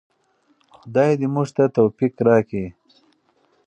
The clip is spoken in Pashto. خدای دې موږ ته توفیق راکړي.